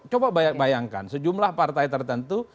coba bayangkan sejumlah partai tertentu